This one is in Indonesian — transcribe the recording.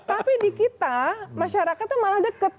tapi di kita masyarakat itu malah deket